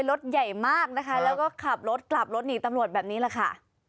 รถใหญ่มากนะคะแล้วก็ขับรถกลับรถหนีตำรวจแบบนี้แหละค่ะ